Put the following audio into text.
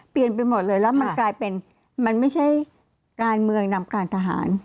ไปหมดเลยแล้วมันกลายเป็นมันไม่ใช่การเมืองนำการทหาร